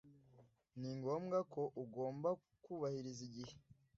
Ni ngombwa ko ugomba kubahiriza igihe.